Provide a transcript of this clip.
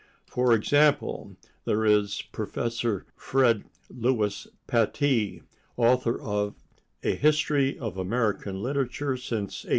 For example, there is Prof. Fred Lewis Pattee, author of "A History of American Literature Since 1870."